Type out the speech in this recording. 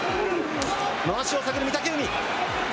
まわしを避ける、御嶽海。